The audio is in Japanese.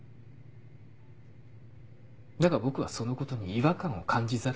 だが僕はそのことに違和感を感じざるをえない。